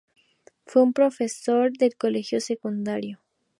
Fue profesor de colegio secundario.